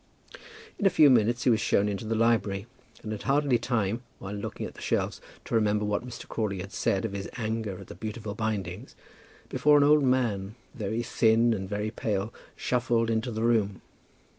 In a few minutes he was shown into the library, and had hardly time, while looking at the shelves, to remember what Mr. Crawley had said of his anger at the beautiful bindings, before an old man, very thin and very pale, shuffled into the room.